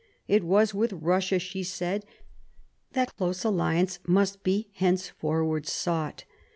It was with Russia, she said, that close alliance must be henceforward sought.